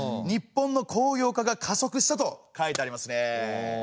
「日本の工業化が加速した」と書いてありますね。